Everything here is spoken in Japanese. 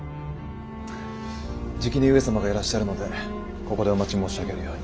じきに上様がいらっしゃるのでここでお待ち申し上げるように。